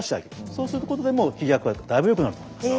そうすることでも気逆はだいぶよくなると思います。